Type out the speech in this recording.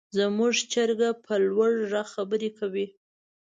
زموږ چرګه په لوړ غږ خبرې کوي.